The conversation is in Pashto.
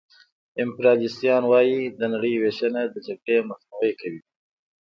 امپریالیستان وايي د نړۍ وېشنه د جګړې مخنیوی کوي